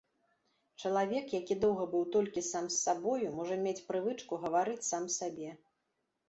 Чалавек, які доўга быў толькі сам з сабою, можа мець прывычку гаварыць сам сабе.